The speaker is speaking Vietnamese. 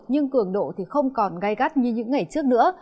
nhưng cường độ thì không còn gai gắt như những ngày trước nữa